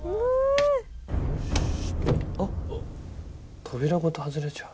あっ扉ごと外れちゃう。